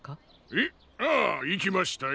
えっ？ああいきましたよ。